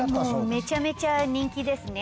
めちゃめちゃ人気ですね。